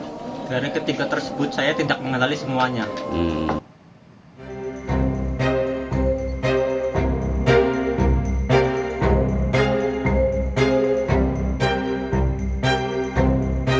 dari ketiga tersebut saya tidak mengenali semuanya